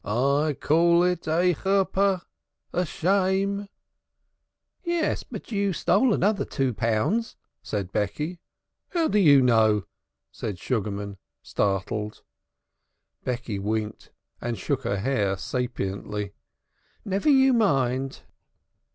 I call it a cherpah a shame." "Yes, but you stole another two pounds," said Becky. "How do you know?" said Sugarman startled. Becky winked and shook her head sapiently. "Never you mind."